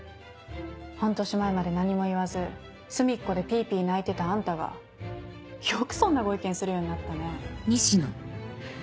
半年前まで何も言わず隅っこでピピ泣いてたあんたがよくそんなご意見するようになったねぇ。